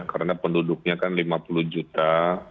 karena penduduknya kan lima puluh juta